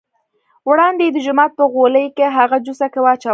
وړاندې یې د جومات په غولي کې هغه جوسه کې واچوه.